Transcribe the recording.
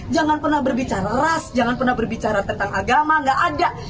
jangan pernah berbicara ras jangan pernah berbicara tentang agama gak ada